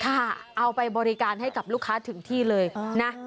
เอาไปบริการให้กับลูกค้าถึงที่เลยนะ